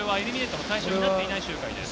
今は対象になっていない周回です。